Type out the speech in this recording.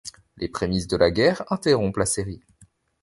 Les prémices da la guerre interrompent la série.